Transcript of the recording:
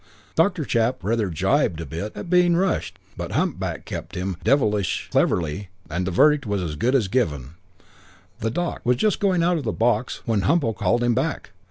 Doctor chap rather jibbed a bit at being rushed, but humpback kept him to it devilish cleverly and the verdict was as good as given. The doc. was just going out of the box when Humpo called him back.